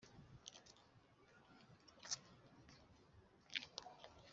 igihe kirekire atari muri gahunda y Igihugu